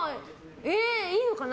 いいのかな。